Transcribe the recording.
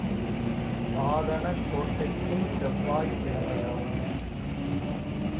ஆதனக் கோட்டைக்கும் செவ்வாய்க் கிழமையாம்.